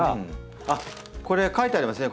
あっこれ書いてありますね